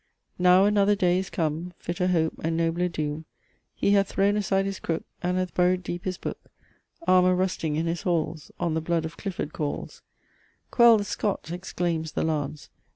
"Now another day is come, Fitter hope, and nobler doom; He hath thrown aside his crook, And hath buried deep his book; Armour rusting in his halls On the blood of Clifford calls, 'Quell the Scot,' exclaims the Lance!